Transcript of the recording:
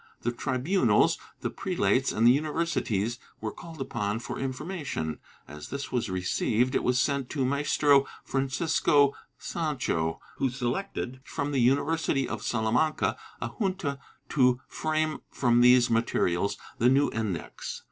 The tribunals, the prelates and the universities were called upon for information ; as this was received it was sent to Maestro Francisco Sancho, who selected from the University of Salamanca a junta to frame from these materials the new Index.